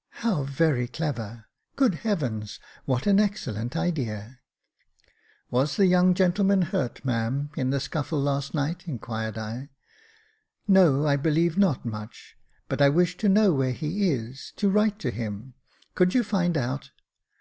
" How very clever ! Good Heavens, what an excellent idea !"" Was the young gentleman hurt, ma'am, in the scuffle last night ?" inquired I. " No, I believe not much, but I wish to know where he is, to write to him ; could you find out